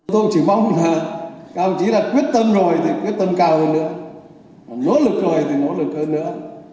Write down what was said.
tôi chỉ mong là chỉ là quyết tâm rồi thì quyết tâm cao hơn nữa nỗ lực rồi thì nỗ lực hơn nữa